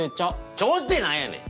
「ちょ」ってなんやねん！